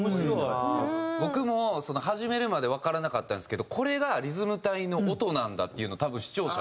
僕も始めるまでわからなかったんですけどこれがリズム隊の音なんだっていうのを多分視聴者も。